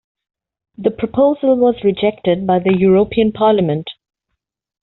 The proposal was rejected by the European Parliament.